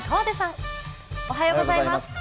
おはようございます。